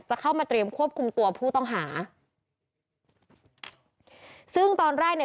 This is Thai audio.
เข้ามาเตรียมควบคุมตัวผู้ต้องหาซึ่งตอนแรกเนี่ย